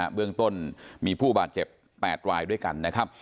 เบื้องต้นมีผู้บาดเจ็บ๘รายด้วยกันนะครับ